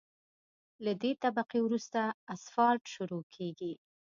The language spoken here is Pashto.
له دې طبقې وروسته اسفالټ شروع کیږي